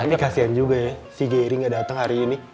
tapi kasian juga ya si gary ga dateng hari ini